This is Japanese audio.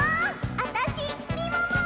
あたしみもも！